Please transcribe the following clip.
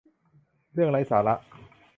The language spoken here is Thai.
เรื่องไร้สาระ